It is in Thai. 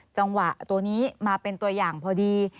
จังหวะตัวนี้มาเป็นตัวอย่างพอดี